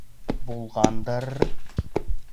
Булғанды-ы-ыр...